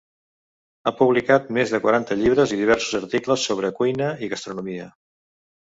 Ha publicat més de quaranta llibres i diversos articles sobre cuina i gastronomia.